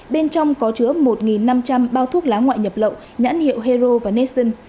bên trong có chứa một năm trăm linh bao thuốc lá ngoại nhập lậu nhãn hiệu hero và nestion